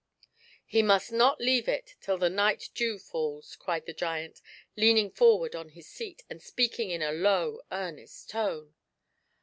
" He must not leave it till the night dew falls !" cried the giant, leaning forward on his seat, and speaking in a low, earnest tone.